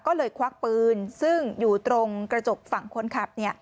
ก็เลยควักปืนซึ่งอยู่ตรงกระจกฝั่งคนขับ